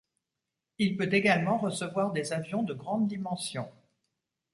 Il peut également recevoir des avions de grandes dimensions.